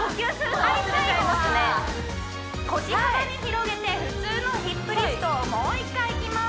はい最後は腰幅に広げて普通のヒップリフトをもう一回いきます